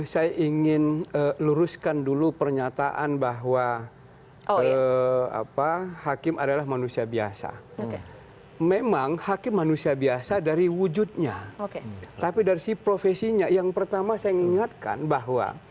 saya ingin luruskan dulu pernyataan bahwa hakim adalah manusia biasa memang hakim manusia biasa dari wujudnya tapi dari si profesinya yang pertama saya ingatkan bahwa